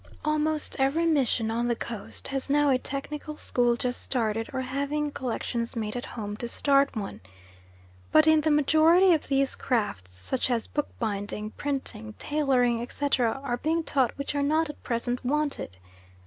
Almost every mission on the Coast has now a technical school just started or having collections made at home to start one; but in the majority of these crafts such as bookbinding, printing, tailoring, etc., are being taught which are not at present wanted.